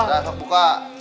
aki juga ganti